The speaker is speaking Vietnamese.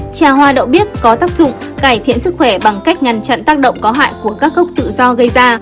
trà hoa đậu biết có tác dụng cải thiện sức khỏe bằng cách ngăn chặn tác động có hại của các gốc tự do gây ra